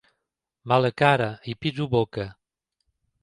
Mala cara i pitjor boca.